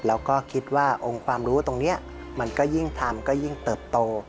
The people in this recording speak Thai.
แล้วก็คิดว่าองค์ความรู้ตรงนี้มันก็ยิ่งทำก็ยิ่งเติบโต